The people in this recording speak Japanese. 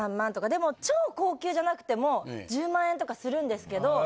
でも超高級じゃなくても１０万円とかするんですけど。